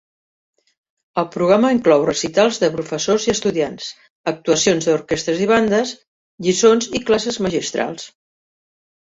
El programa inclou recitals de professors i estudiants, actuacions d'orquestres i bandes, lliçons i classes magistrals.